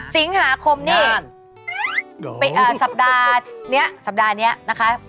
สิงหาคมนี่สัปดาห์นี้นะคะ